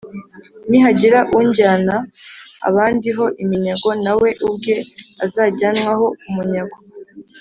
Nihagira ujyana abandi ho iminyago na we ubwe azajyanwa ho umunyago,